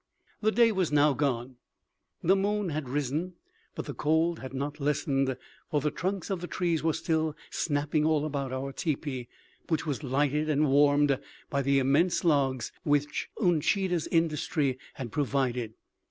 The day was now gone; the moon had risen; but the cold had not lessened, for the trunks of the trees were still snapping all around our teepee, which was lighted and warmed by the immense logs which Uncheedah's industry had provided.